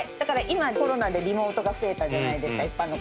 今コロナでリモートが増えたじゃないですか。